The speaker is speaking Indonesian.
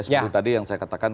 seperti tadi yang saya katakan